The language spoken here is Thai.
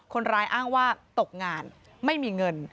คนร้ายอ้างว่าตกงานไม่มีเงิน